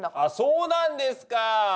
あっそうなんですか。